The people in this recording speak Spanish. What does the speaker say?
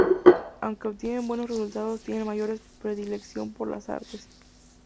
Aunque obtiene buenos resultados, tiene mayor predilección por las artes.